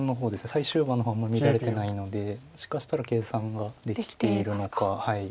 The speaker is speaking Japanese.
最終盤の方はあんまり乱れてないのでもしかしたら計算ができているのか。